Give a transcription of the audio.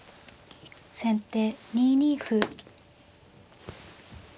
先手２二歩。